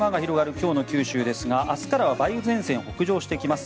今日の九州ですが明日からは梅雨前線が北上してきます。